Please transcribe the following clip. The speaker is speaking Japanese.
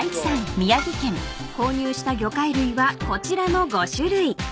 ［購入した魚介類はこちらの５種類］